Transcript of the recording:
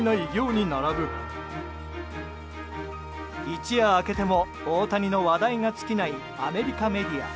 一夜明けても大谷の話題が尽きないアメリカメディア。